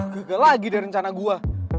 gagal lagi deh rencana gue